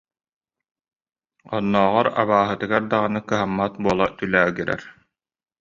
Оннооҕор, абааһытыгар даҕаны кыһаммат буола түлээгирэр